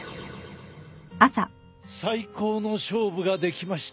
最高の勝負ができました。